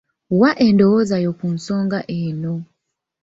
Wa endowooza yo ku nsonga eno.